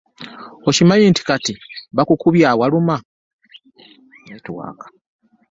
Okimanyi nti kati bakukubye ewaluma.